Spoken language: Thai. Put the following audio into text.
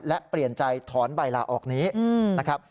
และเปลี่ยนใจถอนใบลาออกนี้นะครับ